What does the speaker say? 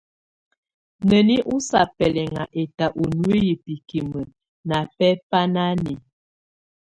Nəni ɔsa bɛlinŋa ɛta ɔ nuiyi bikimə ná bɛ́ bánáni.